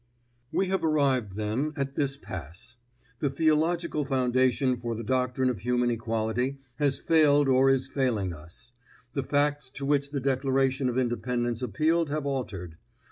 We have arrived, then, at this pass: the theological foundation for the doctrine of human equality has failed or is failing us; the facts to which the Declaration of Independence appealed have altered.